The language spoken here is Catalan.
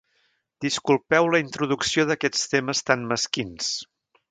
Disculpeu la introducció d'aquests temes tan mesquins.